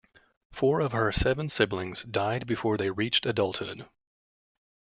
Four of her seven siblings died before they reached adulthood.